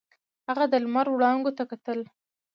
هغه د لمر وړانګو ته کتل.